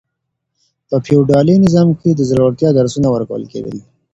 په فيوډالي نظام کي د زړورتيا درسونه ورکول کېدل.